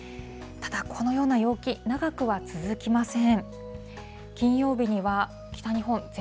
ただこのような陽気、長くは続きません。